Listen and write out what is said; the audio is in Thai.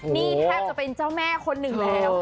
นี่แทบจะเป็นเจ้าแม่คนหนึ่งแล้ว